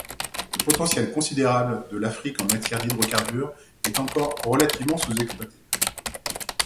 Le potentiel considérable de l'Afrique en matière d'hydrocarbure est encore relativement sous-exploité.